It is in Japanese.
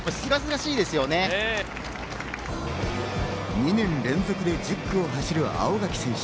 ２年連続で１０区を走る青柿選手。